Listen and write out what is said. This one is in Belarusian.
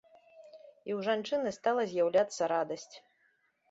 І ў жанчыны стала з'яўляцца радасць.